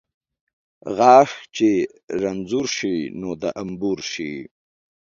ـ غاښ چې رنځور شي ، نور د انبور شي .